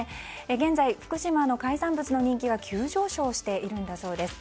現在、福島の海産物の人気が急上昇しているそうです。